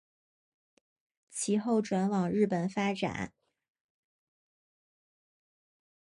其后转往日本发展。